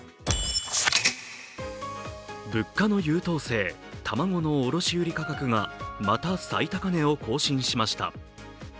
物価の優等生、卵の卸売価格がまた最高値を更新しました。